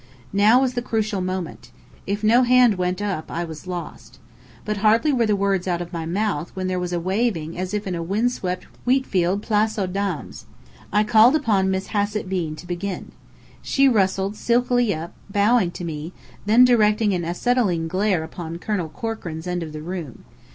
Now was the crucial moment. If no hand went up, I was lost. But hardly were the words out of my mouth when there was a waving as if in a wind swept wheatfield Place aux dames! I called upon Miss Hassett Bean to begin. She rustled silkily up, bowing to me, then directing an acetylene glare upon Colonel Corkran's end of the room.